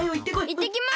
いってきます。